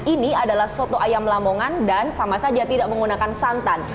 ini adalah soto ayam lamongan dan sama saja tidak menggunakan santan